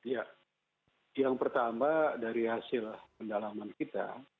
ya yang pertama dari hasil pendalaman kita